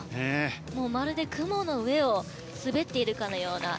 もう、まるで雲の上を滑っているかのような。